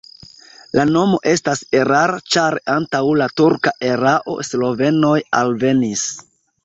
La nomo estas erara, ĉar antaŭ la turka erao slovenoj alvenis.